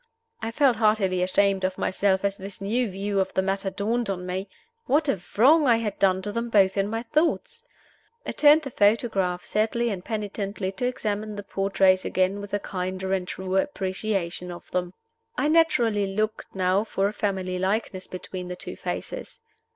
I felt heartily ashamed of myself as this new view of the matter dawned on me. What a wrong I had done to them both in my thoughts! I turned the photograph, sadly and penitently, to examine the portraits again with a kinder and truer appreciation of them. I naturally looked now for a family likeness between the two faces.